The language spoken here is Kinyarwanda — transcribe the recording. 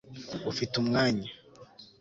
ufite umwanya